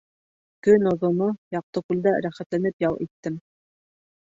Көноҙоно Яҡтыкүлдә рәхәтләнеп ял иттем.